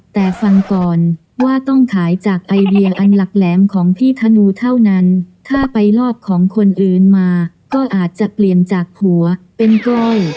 แต่ฟังก่อนว่าต้องขายจากไอเดียอันหลักแหลมของพี่ธนูเท่านั้นถ้าไปลอบของคนอื่นมาก็อาจจะเปลี่ยนจากหัวเป็นก้อย